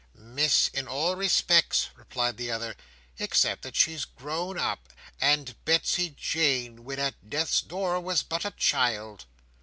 "Miss, in all respects," replied the other, "except that she's grown up, and Betsey Jane, when at death's door, was but a child."